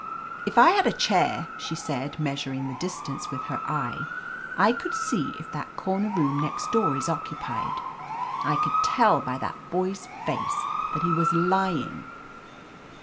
"If I had a chair," she said, measuring the distance with her eye, "I could see if that cor ner room next door is occupied. I could tell by that boy's face that he was lying."